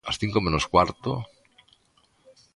¿Ás cinco menos cuarto?